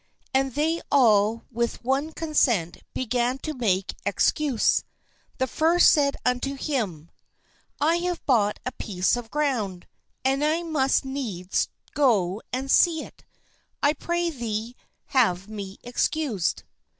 And they all with one consent began to make ex cuse. The first said unto him: I have bought a piece of ground, and I must needs go and see it : I pray thee have me excused.